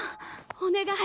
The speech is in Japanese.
お願い！